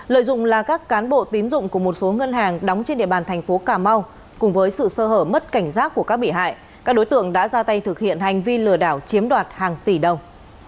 lợi dụng là các cán bộ tín dụng của một số ngân hàng đóng trên địa bàn thành phố cà mau cùng với sự sơ hở mất cảnh giác của các bị hại các đối tượng đã ra tay thực hiện hành vi lừa đảo chiếm đoạt hàng tỷ đồng